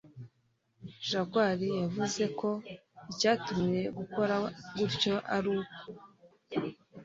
Jaguar yavuze ko icyamuteye gukora gutyo ari uko